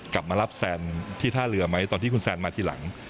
กลับมารับแซนที่ท่าเรือไหมตอนที่คุณแซนมาทีหลัง